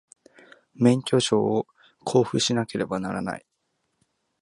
免許証を交付しなければならない